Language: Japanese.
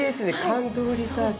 肝臓リサーチ。